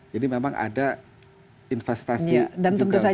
jadi memang ada investasi juga untuk distribusi